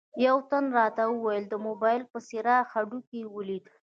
یوه تن راته وویل د موبایل په څراغ یې هډوکي ولیدل.